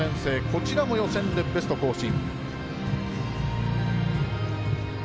こちらも予選でベスト更新。